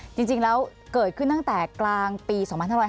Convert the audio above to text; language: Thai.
จริงแล้วเกิดขึ้นตั้งแต่กลางปี๒๕๕๙